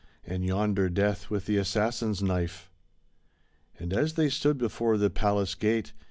And yonder Death with the assassin's knife." And as they stood before the palace gate.